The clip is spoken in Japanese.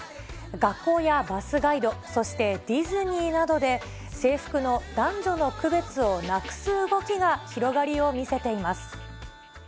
学校やバスガイド、そしてディズニーなどで、制服の男女の区別をなくす動きが広がりを見せています。